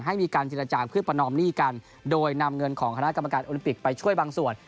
ให้มีการเจรจาเพื่อประนอมหนี้กันโดยนำเงินของคณะกรรมการโอลิมปิกไปช่วยบางส่วน